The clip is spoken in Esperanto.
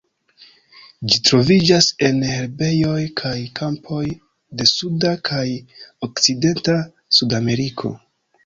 Ĝi troviĝas en herbejoj kaj kampoj de suda kaj okcidenta Sudameriko.